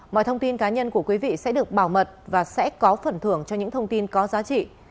mọi thông tin cá nhân của quý vị sẽ được bảo mật và sẽ có phần thưởng cho những thông tin có giá trị